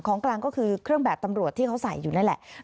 ของกลางก็คือเครื่องแบบตำรวจที่เขาใส่อยู่นั่นแหละ